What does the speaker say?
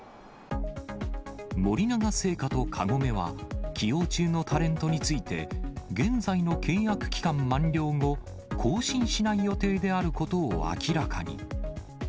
森永製菓とカゴメは、起用中のタレントについて、現在の契約期間満了後、更新しない予定であることを明らかに。